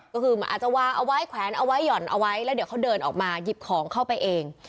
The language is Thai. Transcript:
ก็คือมันอาจจะวางเอาไว้แขวนเอาไว้หย่อนเอาไว้แล้วเดี๋ยวเขาเดินออกมาหยิบของเข้าไปเอง